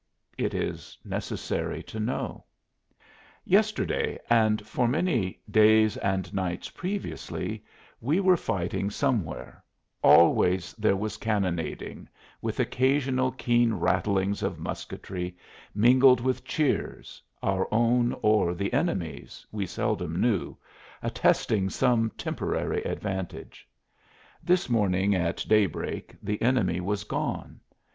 It is necessary to know. Yesterday, and for many days and nights previously, we were fighting somewhere; always there was cannonading, with occasional keen rattlings of musketry, mingled with cheers, our own or the enemy's, we seldom knew, attesting some temporary advantage. This morning at daybreak the enemy was gone.